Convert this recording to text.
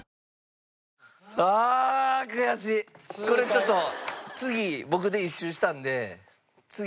これちょっと次僕で１周したんで。